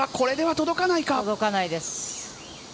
届かないです。